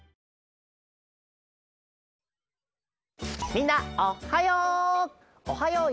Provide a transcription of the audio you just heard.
みんなおはよう！